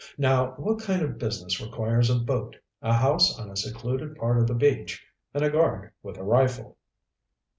Now, what kind of business requires a boat, a house on a secluded part of the beach, and a guard with a rifle?"